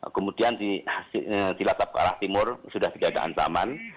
kemudian di latap ke arah timur sudah tidak ada ancaman